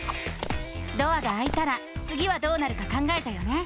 ドアがあいたらつぎはどうなるか考えたよね？